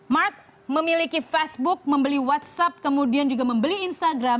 mark memiliki facebook membeli whatsapp kemudian juga membeli instagram